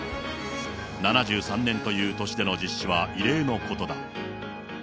７３年という年での実施は異例のことだ。